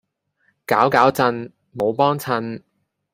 攪攪震，冇幫襯